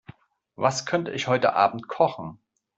Was könnte ich heute Abend kochen?